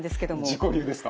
自己流ですか？